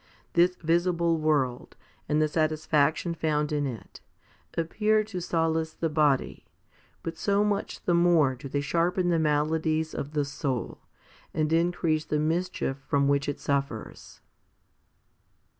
This visible world, and the satisfaction found in it, appear to solace the body, but so much the HOMILY XLV 283 more do they sharpen the maladies of the soul, and increase the mischief from which it suffers.